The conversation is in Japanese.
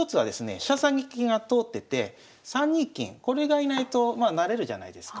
飛車先が通ってて３二金これが居ないとまあ成れるじゃないですか。